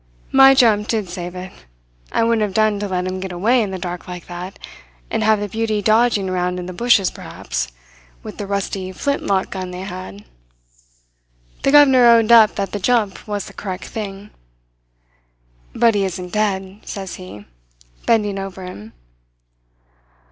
"My jump did save it. It wouldn't have done to let him get away in the dark like that, and have the beauty dodging around in the bushes, perhaps, with the rusty flint lock gun they had. The governor owned up that the jump was the correct thing. "'But he isn't dead,' says he, bending over him.